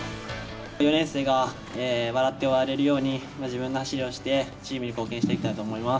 ４年生が笑って終われるように、自分の走りをして、チームに貢献していきたいと思います。